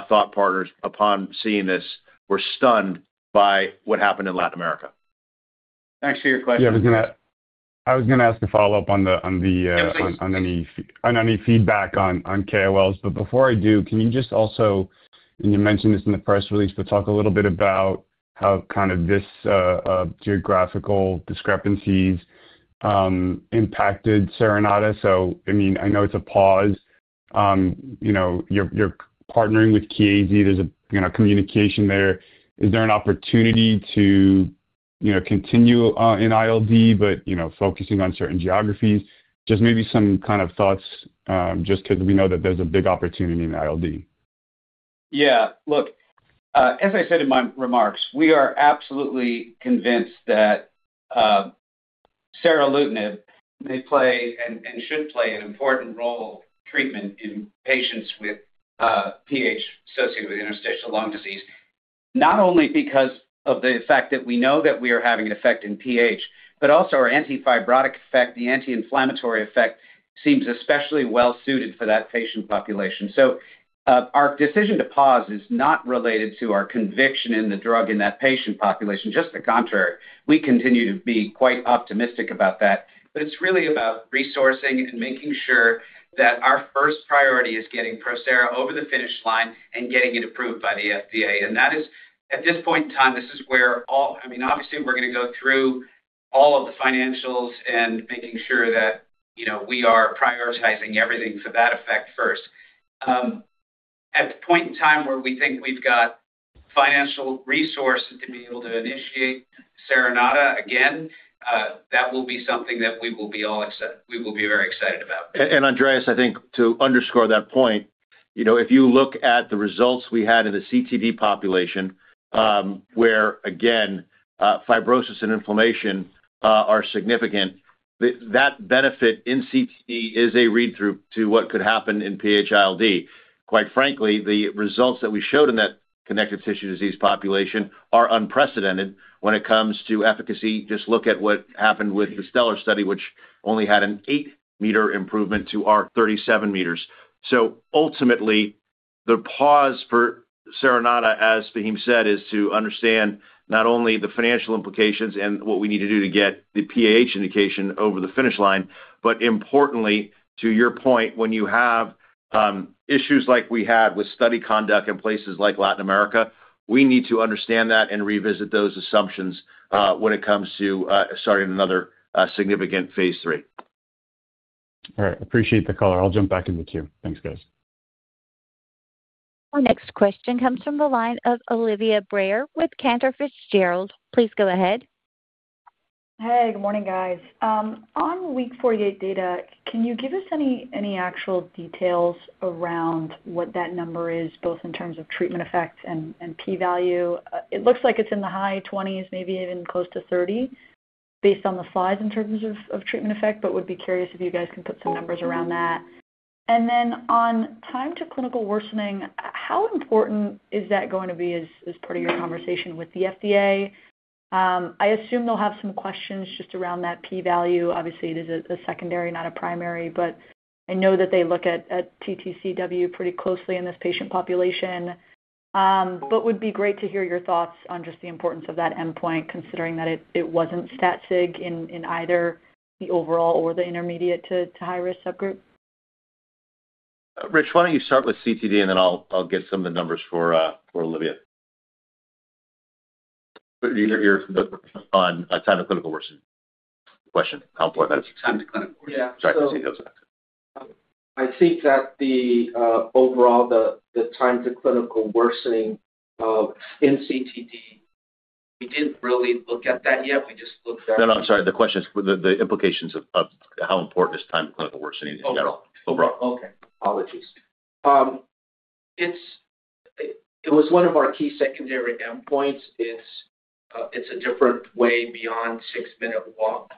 thought partners, upon seeing this, were stunned by what happened in Latin America. Thanks for your question. I was gonna, I was gonna ask a follow-up on the, on the. Yeah, please. Any, on any feedback on, on KOLs. Before I do, can you just also, and you mentioned this in the press release, but talk a little bit about how kind of this geographical discrepancies impacted SERANATA? I mean, I know it's a pause, you know, you're, you're partnering with KAZ. There's a, you know, communication there. Is there an opportunity to, you know, continue in ILD, but, you know, focusing on certain geographies? Just maybe some kind of thoughts, just because we know that there's a big opportunity in ILD. Yeah. Look, as I said in my remarks, we are absolutely convinced that seralutinib may play and, and should play an important role in treatment in patients with PH associated with interstitial lung disease. Not only because of the fact that we know that we are having an effect in PH, but also our anti-fibrotic effect, the anti-inflammatory effect, seems especially well suited for that patient population. Our decision to pause is not related to our conviction in the drug in that patient population, just the contrary. We continue to be quite optimistic about that. It's really about resourcing and making sure that our first priority is getting PROSERA over the finish line and getting it approved by the FDA. That is, at this point in time, this is where I mean, obviously, we're going to go through all of the financials and making sure that, you know, we are prioritizing everything to that effect first. At the point in time where we think we've got financial resource to be able to initiate SERENATA again, that will be something that we will be very excited about. Andrés, I think to underscore that point, you know, if you look at the results we had in the CTD population, where again, fibrosis and inflammation are significant, that benefit in CTD is a read-through to what could happen in PH-ILD. Quite frankly, the results that we showed in that connective tissue disease population are unprecedented when it comes to efficacy. Just look at what happened with the STELLAR study, which only had an 8 m improvement to our 37 meters. Ultimately, the pause for SERANATA, as Faheem said, is to understand not only the financial implications and what we need to do to get the PAH indication over the finish line, but importantly, to your point, when you have issues like we had with study conduct in places like Latin America, we need to understand that and revisit those assumptions when it comes to starting another significant phase III. All right. Appreciate the call. I'll jump back in the queue. Thanks, guys. Our next question comes from the line of Olivia Brayer with Cantor Fitzgerald. Please go ahead. Hey, good morning, guys. On week 48 data, can you give us any, any actual details around what that number is, both in terms of treatment effects and, and p-value? It looks like it's in the high 20s, maybe even close to 30, based on the slides in terms of, of treatment effect, but would be curious if you guys can put some numbers around that. Then on time to clinical worsening, how important is that going to be as, as part of your conversation with the FDA? I assume they'll have some questions just around that p-value. Obviously, it is a, a secondary, not a primary, but I know that they look at, at TTCW pretty closely in this patient population. Would be great to hear your thoughts on just the importance of that endpoint, considering that it, it wasn't stat sig in, in either the overall or the intermediate to high-risk subgroup. Rich, why don't you start with CTD, and then I'll, I'll get some of the numbers for, for Olivia? You hear on time to clinical worsening question, how important that is? Time to clinical worsening. Yeah. Sorry, I can see those. I think that the overall, the, the time to clinical worsening, in CTD, we didn't really look at that yet. We just looked at... No, I'm sorry. The question is the implications of how important is time to clinical worsening in general, overall? Okay. Apologies. It was one of our key secondary endpoints. It's, it's a different way beyond 6-minute walk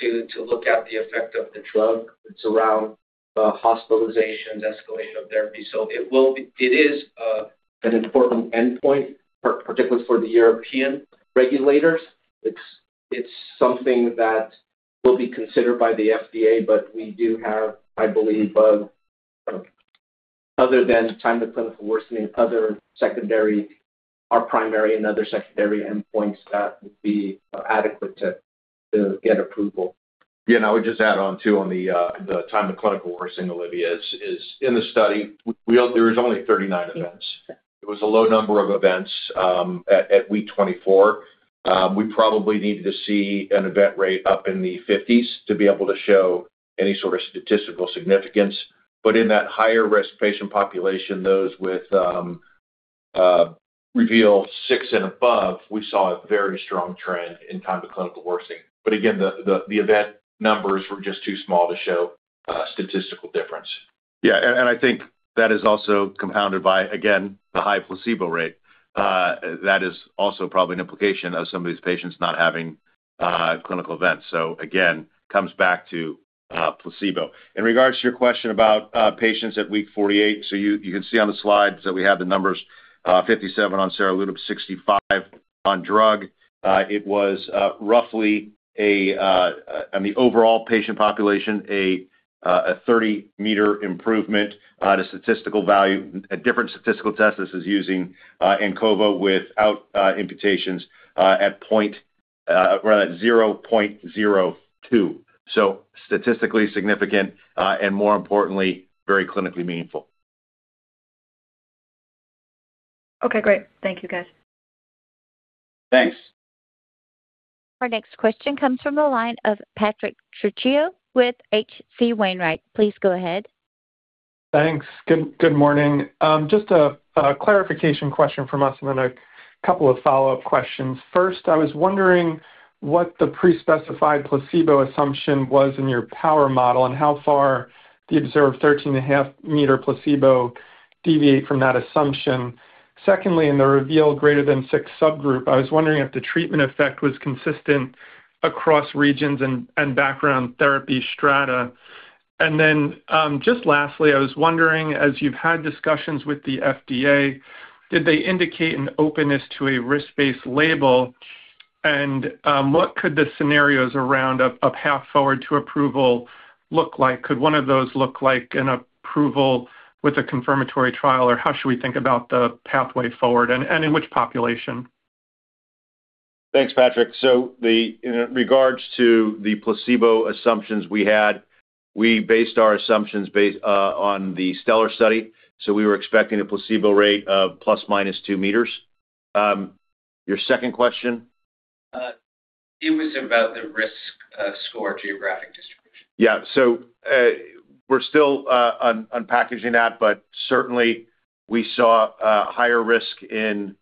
to look at the effect of the drug. It's around hospitalizations, escalation of therapy. It is an important endpoint, particularly for the European regulators. It's, it's something that will be considered by the FDA. We do have, I believe, other than time to clinical worsening, other secondary, or primary and other secondary endpoints that would be adequate to get approval. Yeah. I would just add on, too, on the time to clinical worsening, Olivia, is, is in the study, we, there was only 39 events. It was a low number of events, at week 24. We probably needed to see an event rate up in the 50s to be able to show any sort of statistical significance. In that higher-risk patient population, those with REVEAL six and above, we saw a very strong trend in time to clinical worsening. Again, the, the, the event numbers were just too small to show statistical difference. I think that is also compounded by, again, the high placebo rate. That is also probably an implication of some of these patients not having clinical events. Again, comes back to placebo. In regards to your question about patients at week 48, you, you can see on the slides that we have the numbers, 57 on seralutinib, 65 on drug. It was roughly a, on the overall patient population, a 30-meter improvement to statistical value, a different statistical test. This is using ANCOVA without imputations, at point, well, at 0.02. Statistically significant and more importantly, very clinically meaningful. Okay, great. Thank you, guys. Thanks. Our next question comes from the line of Patrick Trucchio with H.C. Wainwright. Please go ahead. Thanks. Good, good morning. Just a clarification question from us and then two follow-up questions. First, I was wondering what the pre-specified placebo assumption was in your power model and how far the observed 13.5 m placebo deviate from that assumption. Secondly, in the REVEAL > 6 subgroup, I was wondering if the treatment effect was consistent across regions and background therapy strata. Just lastly, I was wondering, as you've had discussions with the FDA, did they indicate an openness to a risk-based label? What could the scenarios around a, a path forward to approval look like? Could one of those look like an approval with a confirmatory trial? Or how should we think about the pathway forward, and, and in which population? Thanks, Patrick. The, in regards to the placebo assumptions we had, we based our assumptions on the STELLAR study, so we were expecting a placebo rate of ±2 meters. Your second question? It was about the risk score, geographic distribution. we're still unpackaging that, but certainly we saw a higher risk in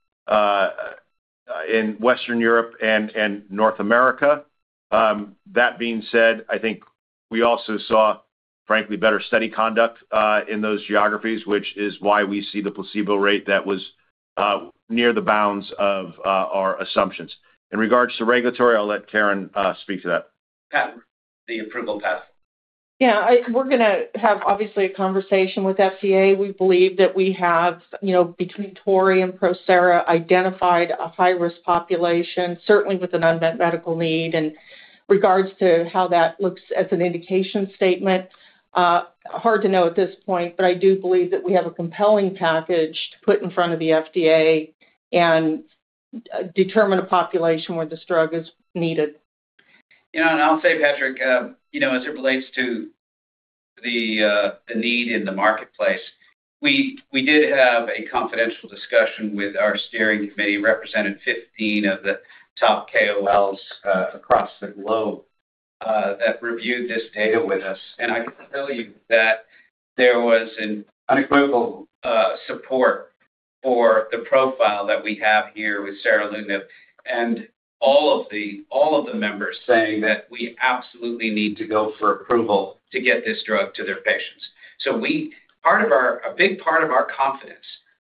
Western Europe and North America. That being said, I think we also saw, frankly, better study conduct in those geographies, which is why we see the placebo rate that was near the bounds of our assumptions. In regards to regulatory, I'll let Caryn speak to that. Yeah, the approval path. Yeah. I- we're gonna have obviously a conversation with FDA. We believe that we have, you know, between TORREY and PROSERA, identified a high-risk population, certainly with an unmet medical need. Regards to how that looks as an indication statement, hard to know at this point, but I do believe that we have a compelling package to put in front of the FDA and determine a population where this drug is needed. You know, I'll say, Patrick, you know, as it relates to the need in the marketplace, we, we did have a confidential discussion with our steering committee, represented 15 of the top KOLs across the globe that reviewed this data with us. I can tell you that there was an unequivocal support for the profile that we have here with seralutinib, and all of the, all of the members saying that we absolutely need to go for approval to get this drug to their patients. A big part of our confidence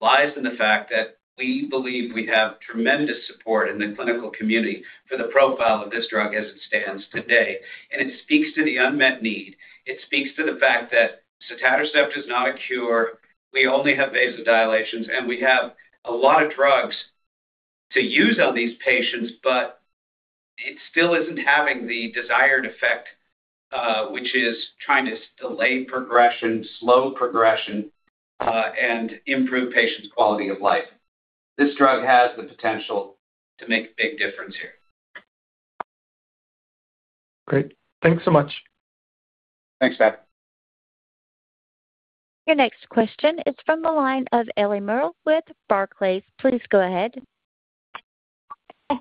lies in the fact that we believe we have tremendous support in the clinical community for the profile of this drug as it stands today. It speaks to the unmet need. It speaks to the fact that sotatercept is not a cure. We only have vasodilations, and we have a lot of drugs to use on these patients, but it still isn't having the desired effect, which is trying to delay progression, slow progression, and improve patients' quality of life. This drug has the potential to make a big difference here. Great. Thanks so much. Thanks, Pat. Your next question is from the line of Eliana Merle with Barclays. Please go ahead.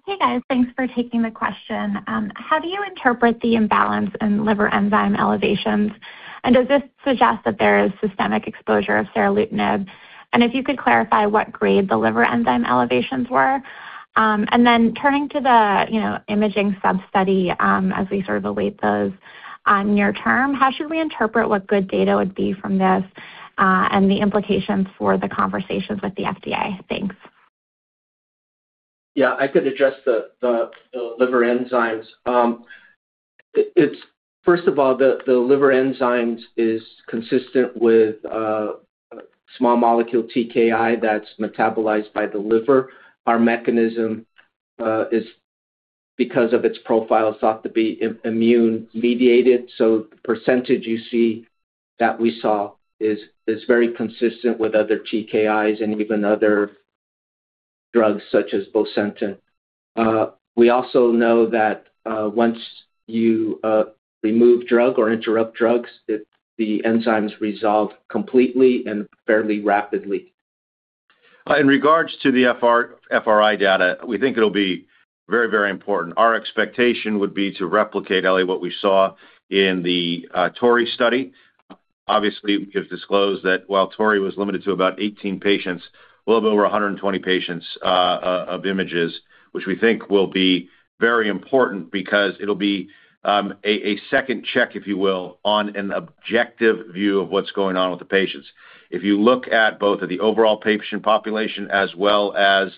Hey, guys. Thanks for taking the question. How do you interpret the imbalance in liver enzyme elevations? Does this suggest that there is systemic exposure of seralutinib? If you could clarify what grade the liver enzyme elevations were. Then turning to the, you know, imaging sub-study, as we sort of await those on near term, how should we interpret what good data would be from this, and the implications for the conversations with the FDA? Thanks. Yeah. I could address the liver enzymes. It's first of all, the liver enzymes is consistent with a small molecule TKI that's metabolized by the liver. Our mechanism is because of its profile, thought to be immune mediated. The percentage you see that we saw is very consistent with other TKIs and even other drugs such as bosentan. We also know that once you remove drug or interrupt drugs, the enzymes resolve completely and fairly rapidly. In regards to the FRI data, we think it'll be very, very important. Our expectation would be to replicate, Ellie, what we saw in the TORI study. Obviously, we have disclosed that while TORI was limited to about 18 patients, we'll have over 120 patients of images, which we think will be very important because it'll be a second check, if you will, on an objective view of what's going on with the patients. If you look at both at the overall patient population as well as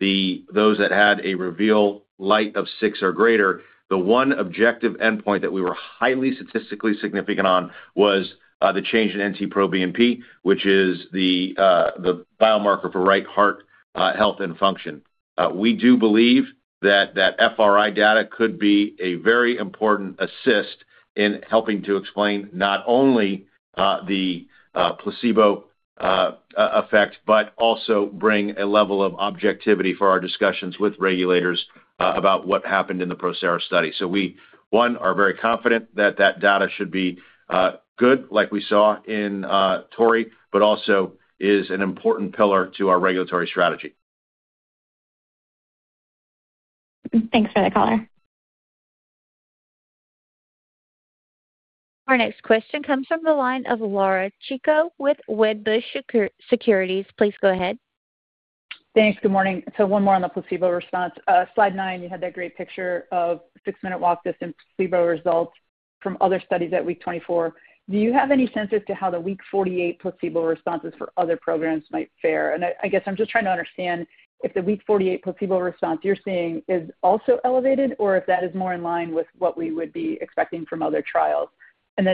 those that had a REVEAL Lite 2 of six or greater, the one objective endpoint that we were highly statistically significant on was the change in NT-proBNP, which is the biomarker for right heart health and function. We do believe that that FRI data could be a very important assist in helping to explain not only the placebo effect, but also bring a level of objectivity for our discussions with regulators about what happened in the PROSERA study. We, one, are very confident that that data should be good like we saw in TORREY, but also is an important pillar to our regulatory strategy. Thanks for the caller. Our next question comes from the line of Laura Chico with Wedbush Securities. Please go ahead. Thanks. Good morning. One more on the placebo response. Slide 9, you had that great picture of six-minute walk distance placebo results from other studies at week 24. Do you have any sense as to how the week 48 placebo responses for other programs might fare? I, I guess I'm just trying to understand if the week 48 placebo response you're seeing is also elevated or if that is more in line with what we would be expecting from other trials.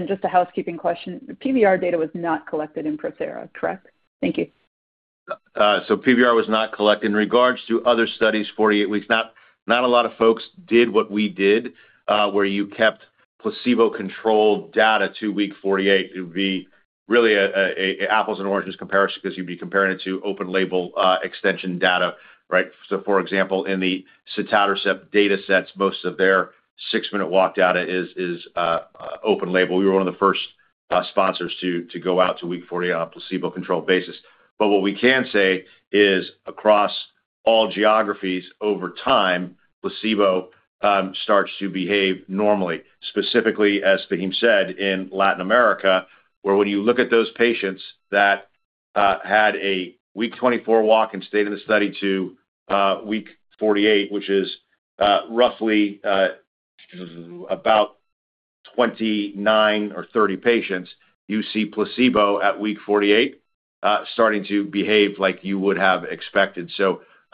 Just a housekeeping question, PVR data was not collected in PROSERA, correct? Thank you. PVR was not collected. In regards to other studies, 48 weeks, not, not a lot of folks did what we did, where you kept placebo-controlled data to week 48. It would be really apples and oranges comparison because you'd be comparing it to open label extension data, right? For example, in the sotatercept datasets, most of their six-minute walk data is open label. We were one of the first sponsors to go out to week 40 on a placebo-controlled basis. What we can say is across all geographies over time, placebo starts to behave normally, specifically, as Faheem said, in Latin America, where when you look at those patients that had a week 24 walk and stayed in the study to week 48, which is roughly about 29 or 30 patients, you see placebo at week 48 starting to behave like you would have expected.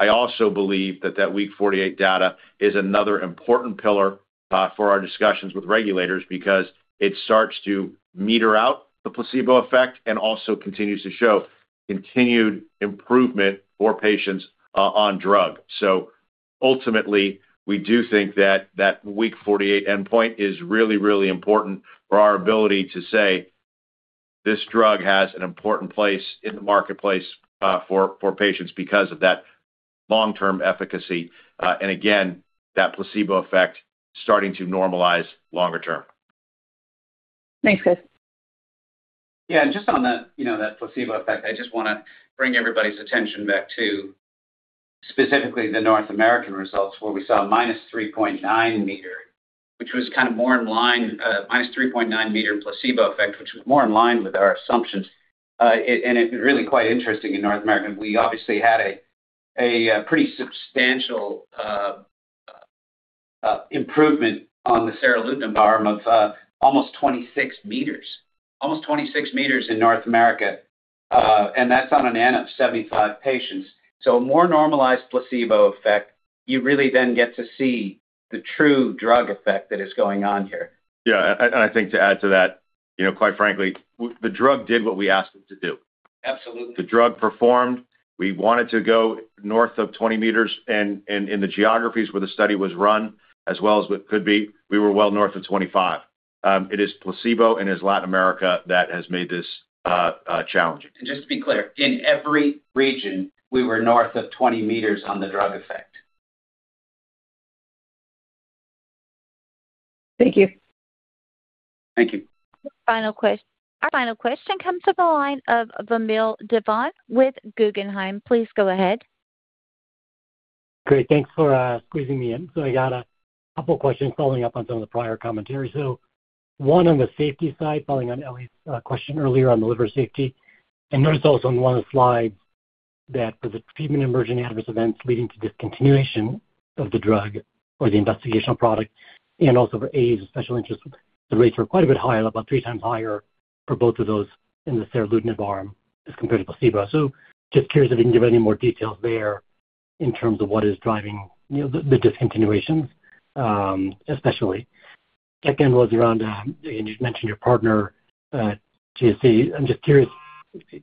I also believe that that week 48 data is another important pillar for our discussions with regulators because it starts to meter out the placebo effect and also continues to show continued improvement for patients on drug. Ultimately, we do think that that week 48 endpoint is really, really important for our ability to say this drug has an important place in the marketplace, for patients because of that long-term efficacy, and again, that placebo effect starting to normalize longer term. Thanks, Chris. Just on that, you know, that placebo effect, I just want to bring everybody's attention back to specifically the North American results, where we saw -3.9 meter, which was kind of more in line, -3.9 meter placebo effect, which was more in line with our assumptions. It's really quite interesting in North America. We obviously had a pretty substantial improvement on the seralutinib arm of almost 26 meters. 26 meters in North America, and that's on an N of 75 patients. A more normalized placebo effect, you really then get to see the true drug effect that is going on here. Yeah, and I think to add to that, you know, quite frankly, the drug did what we asked it to do. Absolutely. The drug performed. We wanted to go north of 20 meters, and, and in the geographies where the study was run, as well as what could be, we were well north of 25. It is placebo and is Latin America that has made this challenging. Just to be clear, in every region, we were north of 20 meters on the drug effect. Thank you. Thank you. Our final question comes to the line of Vamil Divan with Guggenheim. Please go ahead. Great. Thanks for squeezing me in. I got a couple questions following up on some of the prior commentary. One, on the safety side, following on Ellie's question earlier on the liver safety. I noticed also on one of the slides that the Treatment-Emergent Adverse Events leading to discontinuation of the drug or the investigational product, and also for Adverse Events of Special Interest, the rates were quite a bit higher, about three times higher for both of those in the seralutinib arm as compared to placebo. Just curious if you can give any more details there in terms of what is driving, you know, the, the discontinuations, especially? Second was around, and you've mentioned your partner, Chiesi. I'm just curious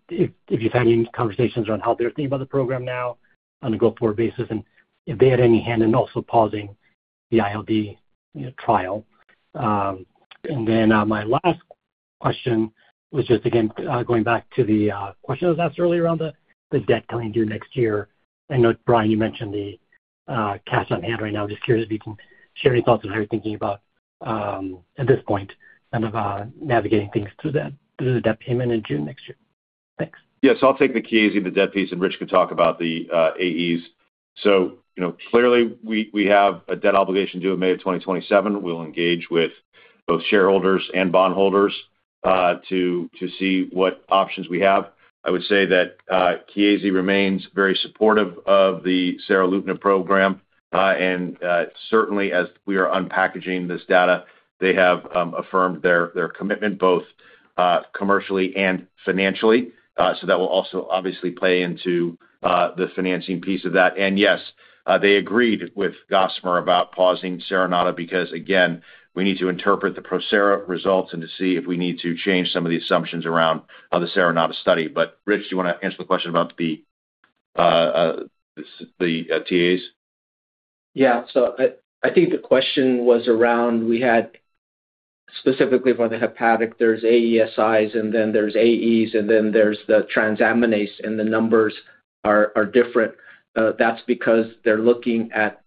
if, if you've had any conversations around how they're thinking about the program now on a go-forward basis, and if they had any hand in also pausing the ILD, you know, trial. Then, my last question was just, again, going back to the question that was asked earlier around the debt coming due next year. I know, Bryan, you mentioned the cash on hand right now. I'm just curious if you can share your thoughts on how you're thinking about, at this point, kind of, navigating things through the debt payment in June next year. Thanks. Yes, I'll take the Chiesi, the debt piece, and Rich can talk about the AEs. You know, clearly, we, we have a debt obligation due in May of 2027. We'll engage with both shareholders and bondholders to, to see what options we have. I would say that Chiesi remains very supportive of the seralutin program, and certainly as we are unpackaging this data, they have affirmed their, their commitment both commercially and financially. That will also obviously play into the financing piece of that. Yes, they agreed with Gossamer about pausing SERANATA, because again, we need to interpret the PROSERA results and to see if we need to change some of the assumptions around the SERANATA study. Rich, do you want to answer the question about the TAs? Yeah. I, I think the question was around we had specifically for the hepatic, there's AESIs, and then there's AEs, and then there's the transaminase, and the numbers are different. That's because they're looking at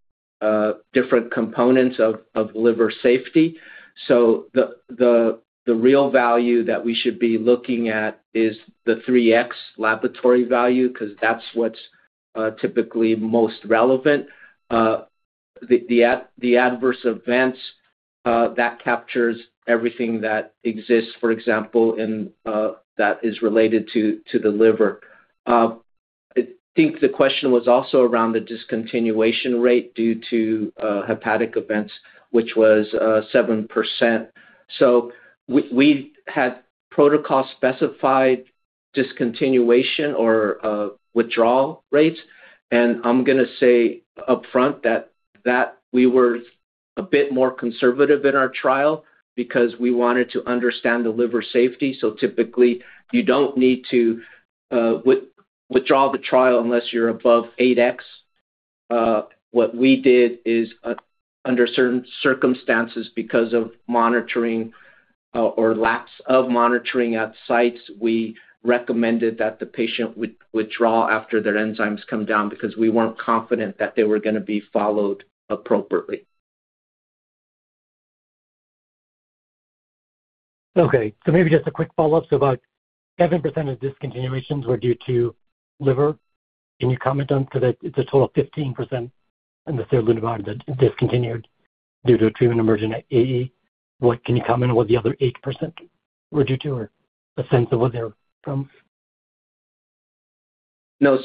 different components of liver safety. The, the, the real value that we should be looking at is the 3x laboratory value, because that's what's typically most relevant. The, the ad, the adverse events, that captures everything that exists, for example, and that is related to the liver. I think the question was also around the discontinuation rate due to hepatic events, which was 7%. We, we had protocol-specified discontinuation or withdrawal rates, and I'm going to say upfront that, that we were a bit more conservative in our trial because we wanted to understand the liver safety. Typically, you don't need to withdraw the trial unless you're above 8x. What we did is, under certain circumstances, because of monitoring, or lacks of monitoring at sites, we recommended that the patient withdraw after their enzymes come down because we weren't confident that they were gonna be followed appropriately. Okay. Maybe just a quick follow-up. About 7% of discontinuations were due to liver. Can you comment on, so that it's a total of 15% in the saracatinib that discontinued due to treatment emergent AE. Can you comment on what the other 8% were due to, or a sense of where they're from? No.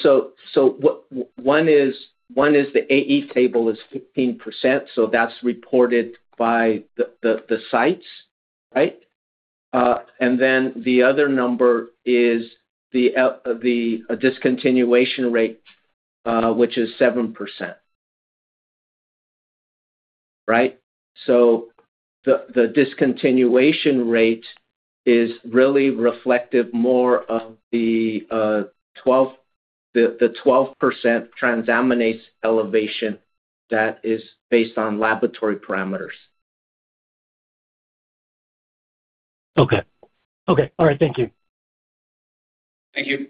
One is, one is the AE table is 15%, so that's reported by the sites, right? Then the other number is the discontinuation rate, which is 7%. Right? The discontinuation rate is really reflective more of the 12% transaminase elevation that is based on laboratory parameters. Okay. Okay. All right. Thank you. Thank you.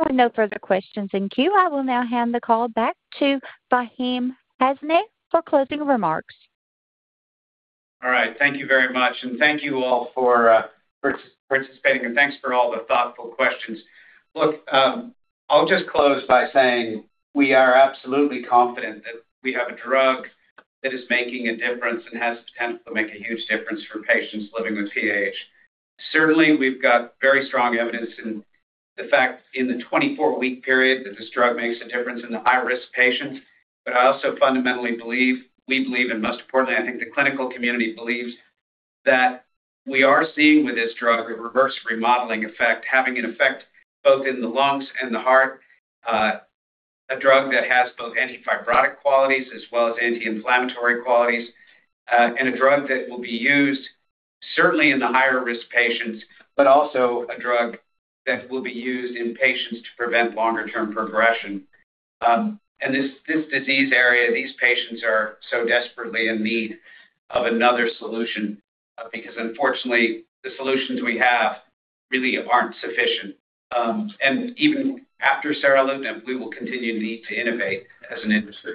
With no further questions in queue, I will now hand the call back to Faheem Hasnain for closing remarks. All right. Thank you very much, and thank you all for for participating, and thanks for all the thoughtful questions. Look, I'll just close by saying we are absolutely confident that we have a drug that is making a difference and has the potential to make a huge difference for patients living with PAH. Certainly, we've got very strong evidence in the fact in the 24-week period, that this drug makes a difference in the high-risk patients. I also fundamentally believe, we believe, and most importantly, I think the clinical community believes, that we are seeing with this drug a reverse remodeling effect, having an effect both in the lungs and the heart. A drug that has both antifibrotic qualities as well as anti-inflammatory qualities, and a drug that will be used certainly in the higher-risk patients, but also a drug that will be used in patients to prevent longer-term progression. This, this disease area, these patients are so desperately in need of another solution, because unfortunately, the solutions we have really aren't sufficient. Even after saracatinib, we will continue to need to innovate as an industry.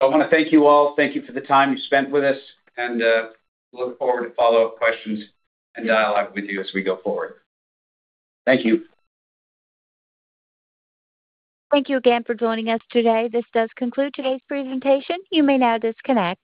I want to thank you all. Thank you for the time you spent with us, and look forward to follow-up questions and dialogue with you as we go forward. Thank you. Thank you again for joining us today. This does conclude today's presentation. You may now disconnect.